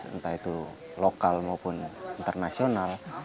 entah itu lokal maupun internasional